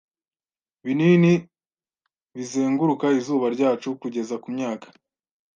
bininibizenguruka izuba ryacu kugeza kumyaka